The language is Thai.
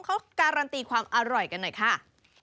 เขาการันตีความอร่อยกันหน่อยค่ะ